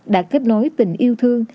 đã kết nối tình yêu thương